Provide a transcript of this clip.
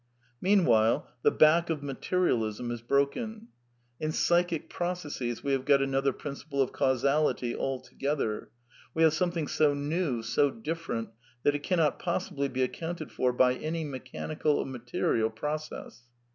Meanwhile, the back of materialism is broken. In psychic processes we have got another principle of causality altogether. We have something so new, so different, that it cannot possibly be accounted for by any mechanical or material process.